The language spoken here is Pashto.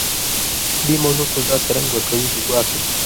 دې موضوع ته داسې رنګ ورکوي چې ګواکې.